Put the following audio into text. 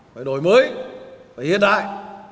phải đổi mới phải hiện đại